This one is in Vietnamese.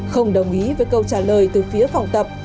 không đồng ý với câu trả lời từ phía phòng tập